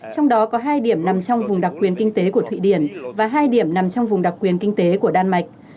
trong đó có hai điểm nằm trong vùng đặc quyền kinh tế của thụy điển và hai điểm nằm trong vùng đặc quyền kinh tế của đan mạch